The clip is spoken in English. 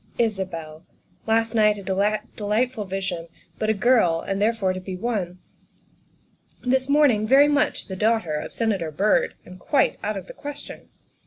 Isabel last night a delightful vision, but a girl, and therefore to be won ; this morning very much the daughter of Senator Byrd and quite out of the question.